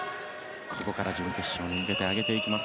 ここから準決勝に向けて上げていきます。